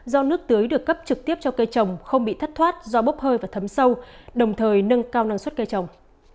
do nước tưới được cấp trực tiếp cho cây trồng không bị thất thoát do bốc hơi và thấm sâu đồng thời nâng cao năng suất cây trồng